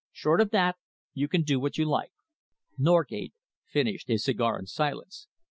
Short of that you can do what you like." Norgate finished his cigar in silence.